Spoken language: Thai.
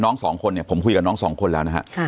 สองคนเนี่ยผมคุยกับน้องสองคนแล้วนะฮะ